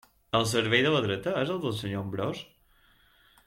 El cervell de la dreta és el del senyor Ambròs?